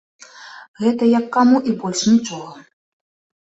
Гэта як каму, і больш нічога.